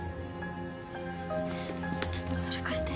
ちょっとそれ貸して。